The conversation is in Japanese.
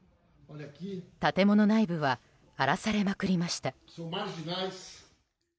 建物内部は荒らされまくりました。